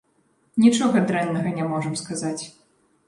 Нічога дрэннага не можам сказаць.